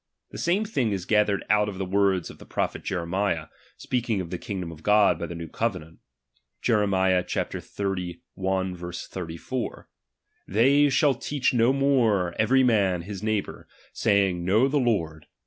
The same thing is gathered out of the words of the prophet Jeremiah, speaking of the kingdom of God by the new covenant (Jer, xxxi. 34) : Tkey shall teach 710 more every man his neighbour ; saying, Know the Lord.